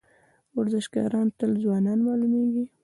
ورزشکاران تل ځوان معلومیږي.